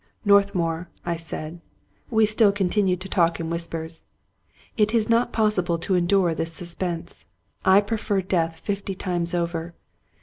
" Northmour," I said (we still continued to talk in whis pers), " it is not possible to endure this suspense. I prefer death fifty times over.